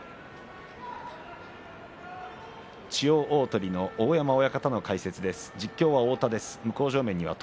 千代鳳の大山親方の解説です。